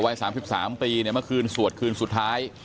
ไว้สามสิบสามปีเนี้ยเมื่อคืนสวดคืนสุดท้าย